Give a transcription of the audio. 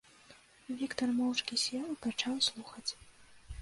Віктар моўчкі сеў і пачаў слухаць.